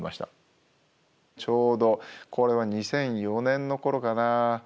ちょうどこれは２００４年のころかな。